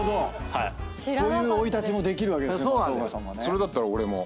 それだったら俺も。